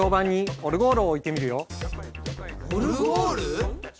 オルゴール？